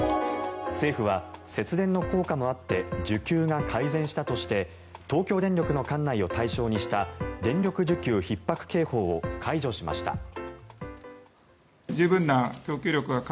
政府は、節電の効果もあって需給が改善したとして東京電力の管内を対象にした電力需給ひっ迫警報を解除しました。